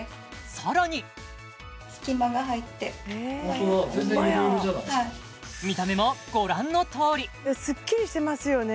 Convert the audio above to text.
さらに見た目もご覧のとおりスッキリしてますよね